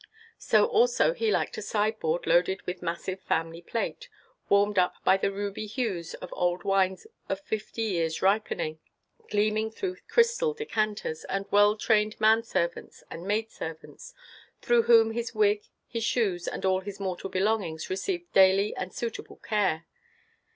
So also he liked a sideboard loaded with massive family plate, warmed up with the ruby hues of old wines of fifty years' ripening, gleaming through crystal decanters, and well trained man servants and maid servants, through whom his wig, his shoes, and all his mortal belongings, received daily and suitable care.